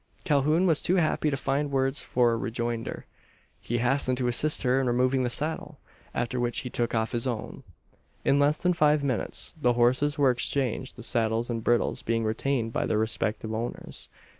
Calhoun was too happy to find words for a rejoinder. He hastened to assist her in removing the saddle; after which he took off his own. In less than five minutes the horses were exchanged the saddles and bridles being retained by their respective owners.